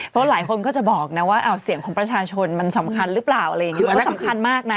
เพราะหลายคนก็จะบอกนะว่าเสียงของประชาชนมันสำคัญหรือเปล่าอะไรอย่างนี้มันก็สำคัญมากนะ